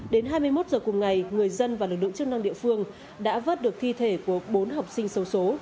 đến hai mươi một h cùng ngày người dân và lực lượng chức năng địa phương đã vớt được thi thể của bốn học sinh sâu số